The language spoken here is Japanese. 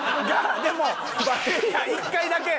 でも１回だけ。